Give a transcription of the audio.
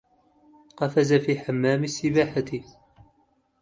قفز في حمام السباحة.